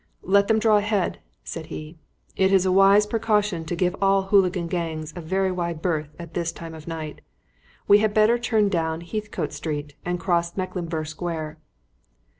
"Let them draw ahead," said he. "It is a wise precaution to give all hooligan gangs a very wide berth at this time of night. We had better turn down Heathcote Street and cross Mecklenburgh Square."